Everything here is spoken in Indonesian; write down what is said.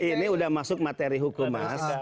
ini sudah masuk materi hukum mas